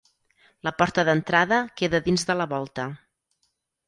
La porta d'entrada queda dins de la volta.